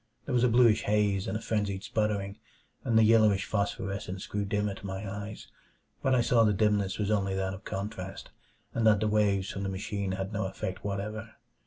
There was a bluish haze and a frenzied sputtering, and the yellowish phosphorescence grew dimmer to my eyes. But I saw the dimness was only that of contrast, and that the waves from the machine had no effect whatever.